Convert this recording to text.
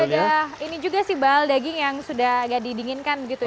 tapi juga tadi udah ada ini juga sih bal daging yang sudah agak didinginkan gitu ya